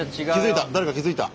誰か気付いた！